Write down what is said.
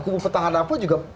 kubu petahan apa juga bertanya